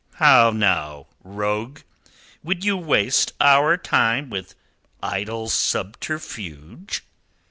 "How now, rogue? Would you waste our time with idle subterfuge?"